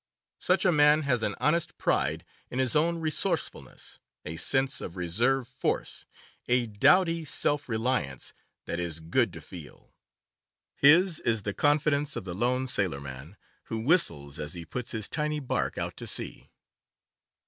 Such a man has an honest pride in his own resourcefulness, a sense of reserve force, a doughty self reliance that is good to feel. His is the confidence of the lone sailorman, who whistles as he puts his tiny bark out to sea.